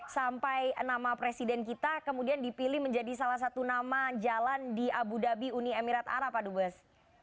sampai nama presiden kita kemudian dipilih menjadi salah satu nama jalan di abu dhabi uni emirat arab pak dubes